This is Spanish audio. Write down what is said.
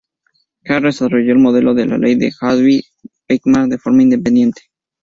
Hardy desarrolló el modelo de la ley de Hardy-Weinberg, de forma independiente.